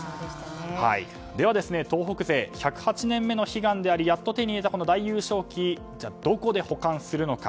では、東北勢１０８年目の悲願でありやっと手に入れた大優勝旗どこで保管するのか。